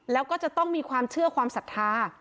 แล้วก็จะต้องมีความเชื่อความศรัทธา